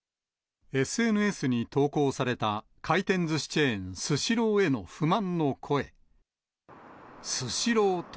ＳＮＳに投稿された回転ずしチェーン、スシローへの不満の声。